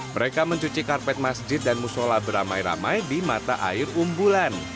mereka mencuci karpet masjid dan musola beramai ramai di mata air umbulan